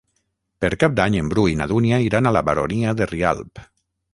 Per Cap d'Any en Bru i na Dúnia iran a la Baronia de Rialb.